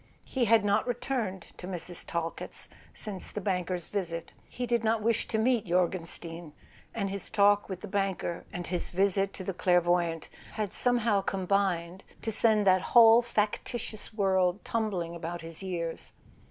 He had not returned to Mrs. Talkett's since the banker's visit; he did not wish to meet Jor genstein, and his talk with the banker, and his visit to the clairvoyante , had somehow combined to send that whole factitious world tumbling about his ears.